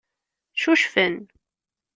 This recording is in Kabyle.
Ccucfen.